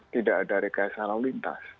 tidak ada rekesi